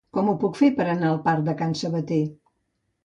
Com ho puc fer per anar al parc de Can Sabater?